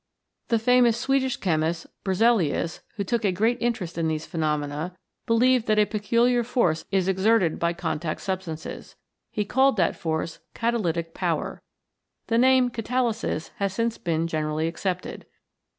The famous Swedish chemist Berzelius, who took a great interest in these phenomena, believed that a peculiar force is exerted by contact substances. He called that force Catalytic Power. The name Catalysis has since been generally accepted.